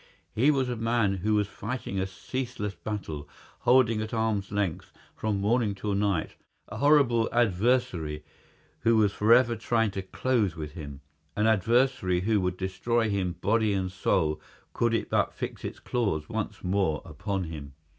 He was a man who was fighting a ceaseless battle, holding at arm's length, from morning till night, a horrible adversary who was forever trying to close with him—an adversary which would destroy him body and soul could it but fix its claws once more upon him.